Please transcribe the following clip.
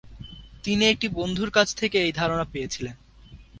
তিনি একটি বন্ধুর কাছ থেকে এই ধারণা পেয়েছিলেন।